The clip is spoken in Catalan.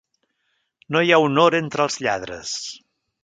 No hi ha honor entre els lladres.